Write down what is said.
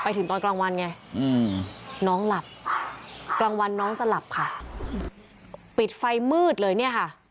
ถึงตอนกลางวันไงน้องหลับกลางวันน้องจะหลับค่ะปิดไฟมืดเลยเนี่ยค่ะ